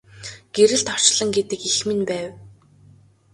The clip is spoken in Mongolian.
Гэрэлт орчлон гэдэг эх минь байв.